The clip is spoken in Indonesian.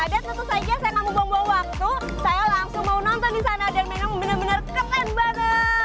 dan tentu saja saya gak mau buang buang waktu saya langsung mau nonton di sana dan memang benar benar keren banget